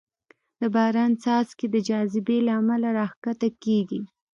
د باران څاڅکې د جاذبې له امله راښکته کېږي.